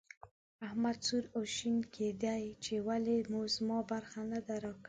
احمد سور او شين کېدی چې ولې مو زما برخه نه ده راکړې.